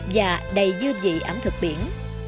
và đầy dư dị ẩm thực biển